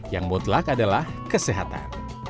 yang mutlak adalah kesehatan